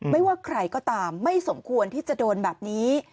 ไม่ว่าใครก็ตามไม่สมควรที่จะโดนแบบนี้